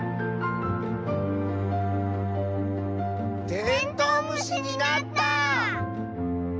テントウムシになった！